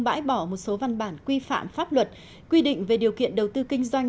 bãi bỏ một số văn bản quy phạm pháp luật quy định về điều kiện đầu tư kinh doanh